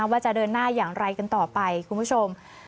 ว่าจะเดินหน้าอย่างไรกันต่อไปคุณผู้ชม